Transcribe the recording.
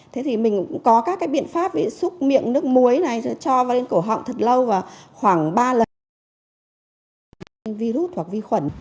thế thì mình có các biện pháp xúc miệng nước muối này cho vào cổ họng thật lâu khoảng ba lần